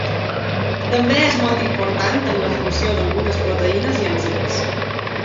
També és molt important en la funció d'algunes proteïnes i enzims.